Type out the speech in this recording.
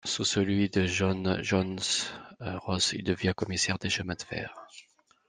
Sous celui de John Jones Ross, il devient commissaire des Chemins de fer.